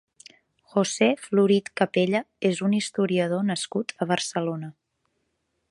José Florit Capella és un historiador nascut a Barcelona.